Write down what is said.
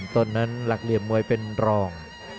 ต้นนั้นหลักเหลี่ยมมวยเป็นรอง